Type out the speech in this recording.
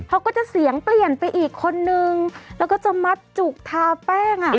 เขาก็จะเสียงเปลี่ยนไปอีกคนนึงแล้วก็จะมัดจุกทาแป้งอ่ะ